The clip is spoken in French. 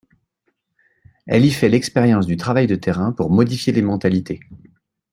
Elle y fait l'expérience du travail de terrain pour modifier les mentalités.